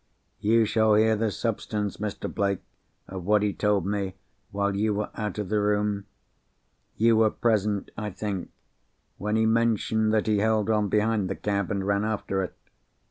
You shall hear the substance, Mr. Blake, of what he told me while you were out of the room. You were present, I think, when he mentioned that he held on behind the cab, and ran after it?"